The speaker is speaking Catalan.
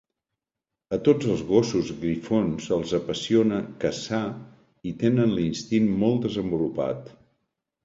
A tots els gossos grifons els apassiona caçar i tenen l'instint molt desenvolupat.